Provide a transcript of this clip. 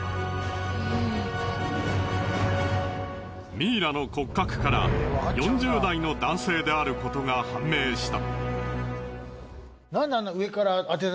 ミイラの骨格から４０代の男性であることが判明した。